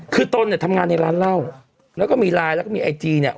คือตนเนี่ยทำงานในร้านเหล้าแล้วก็มีไลน์แล้วก็มีไอจีเนี่ย